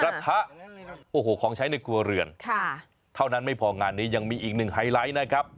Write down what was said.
กระทะโอ้โหของใช้ในครัวเรือนเท่านั้นไม่พองานนี้ยังมีอีกหนึ่งไฮไลท์นะครับ